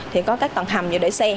thì có các tầng hầm để xe